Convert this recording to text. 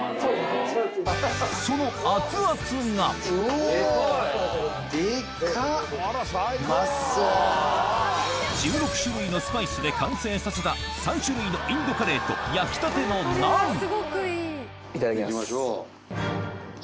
そのアツアツがうおデカっ！で完成させた３種類のインドカレーと焼きたてのナンいただきます。